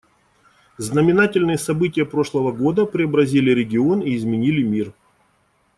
Знаменательные события прошлого года преобразили регион и изменили мир.